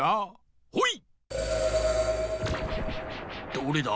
どれだ？